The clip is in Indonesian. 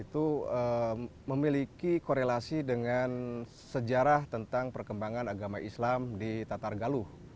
itu memiliki korelasi dengan sejarah tentang perkembangan agama islam di tatar galuh